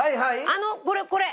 あのこれこれ！